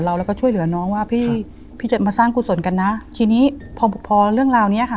เราก็ช่วยเหลือน้องว่าพี่พี่จะมาสร้างกุศลกันนะทีนี้พอพอเรื่องราวเนี้ยค่ะ